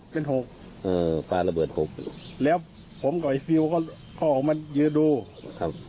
เป็นหกเอ่อปลาระเบิดหกแล้วผมกับไอ้ฟิลก็ออกมายืนดูครับ